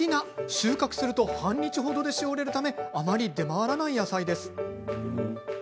収穫すると半日程でしおれるためあまり出回らない野菜です。